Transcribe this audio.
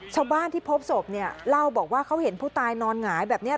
ชาวบ้านที่พบศพเนี่ยเล่าบอกว่าเขาเห็นผู้ตายนอนหงายแบบนี้